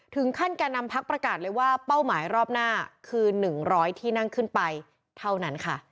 แก่นำพักประกาศเลยว่าเป้าหมายรอบหน้าคือ๑๐๐ที่นั่งขึ้นไปเท่านั้นค่ะ